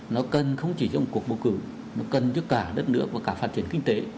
nó cần không chỉ trong cuộc bầu cử mà cần cho cả đất nước và cả phát triển kinh tế